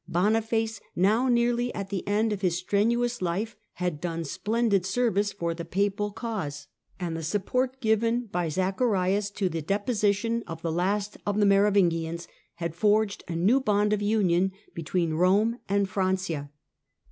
Boniface, now nearly at the end of his strenuous life, had done splendid service for the Papal cause, and the support given by Zacharias THE POPE, THE LOMBARDS AND THE FRANKS 127 the deposition of the last of the Merovingians had >rged a new bond of union between Koine and Francia.